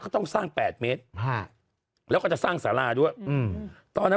ต้องสร้างแปดเมตรฮะแล้วก็จะสร้างสาราด้วยอืมตอนนั้น